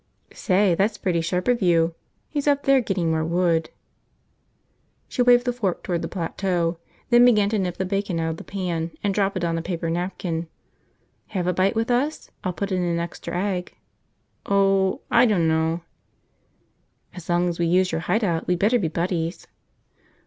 "Say, that's pretty sharp of you. He's up there getting more wood." She waved the fork toward the plateau, then began to nip the bacon out of the pan and drop it on a paper napkin. "Have a bite with us? I'll put in an extra egg." "Oh. ... I dunno." "As long as we use your hide out, we'd better be buddies."